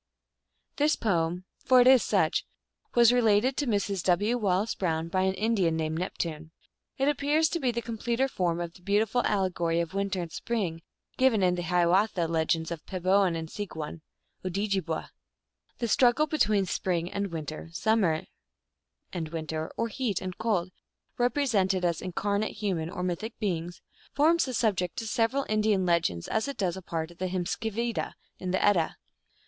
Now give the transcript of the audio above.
This poem for it is such was related to Mrs. W. Wallace Brown by an Indian named Neptune. It appears to be the completer form of the beautiful allegory of Winter and Spring given in the Hiawatha Legends as Peboan and Seegwum (Odjibwa). The struggle between Spring and Winter, Summer and Winter, or Heat and Cold, represented as incarnate human or mythic beings, forms the subject of several Indian legends, as it does a part of the Hymiskvida, in the Edda.